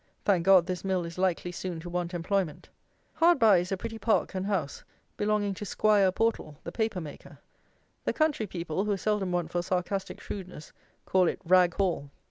Thank God, this mill is likely soon to want employment! Hard by is a pretty park and house, belonging to "'Squire" Portal, the paper maker. The country people, who seldom want for sarcastic shrewdness, call it "Rag Hall"!